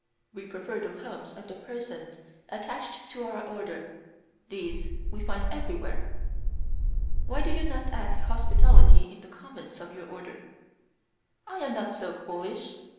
We prefer the homes of the persons attached to our order; these we find everywhere." "Why do you not ask hospitality in the convents of your order?" "I am not so foolish.